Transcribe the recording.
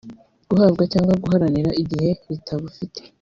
guhabwa cyangwa guharanira igihe ritabufite